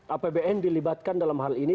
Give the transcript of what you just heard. apbn dilibatkan dalam hal ini